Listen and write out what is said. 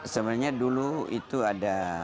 sebenarnya dulu itu ada